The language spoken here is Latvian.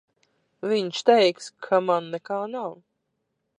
Viņš teiks, ka man nekā nav.